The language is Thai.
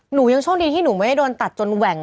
หนูยังโชคดีที่หนูไม่ได้โดนตัดจนแหว่ง